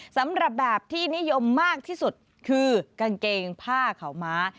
สำหรับแบบที่นิยมมากที่สุดคือกางเกงผ้าขาวม้า